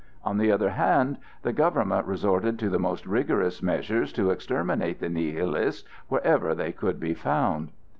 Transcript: On the other hand, the government resorted to the most rigorous measures to exterminate the Nihilists wherever they could be found.